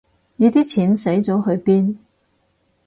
你啲錢使咗去邊